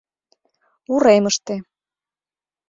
Уремыште